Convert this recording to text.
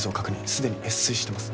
既に越水してます。